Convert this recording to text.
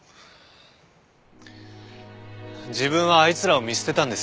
自分はあいつらを見捨てたんです。